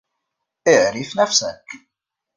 إعرف نفسك!